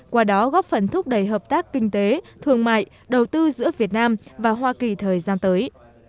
qua đó góp phần thúc đẩy hợp tác kinh tế thương mại đầu tư giữa việt nam và hoa kỳ thời gian tới